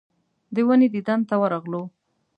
د ونې دیدن ته ورغلو.